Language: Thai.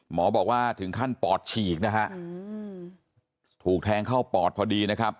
หมอบอกว่าถึงขั้นปอดฉีกนะฮะถูกแทงเข้าปอดพอดีนะครับ